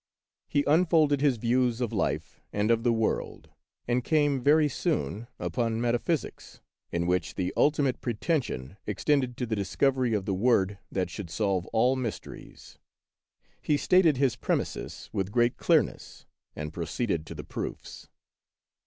He unfolded his views of life and of the world, and came very soon upon metaphysics, in which the ultimate pretension extended to the discovery of the word that should solve all mysteries. He stated his premises with great clearness and pro ceeded to the proofs.